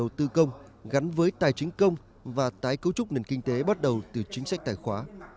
các dự án đầu tư công gắn với tài chính công và tái cấu trúc nền kinh tế bắt đầu từ chính sách tài khoá